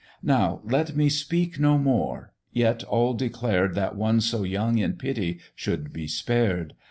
"Now let me speak no more yet all declared That one so young, in pity, should be spared.